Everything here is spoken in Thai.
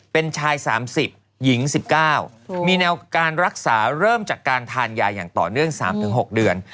เป็นชาย๓๐หญิง๑๙มีแนวการรักษาเริ่มจากการทานยาอย่างต่อเนื่อง๓๖เดือน